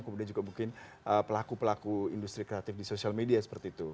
kemudian juga mungkin pelaku pelaku industri kreatif di sosial media seperti itu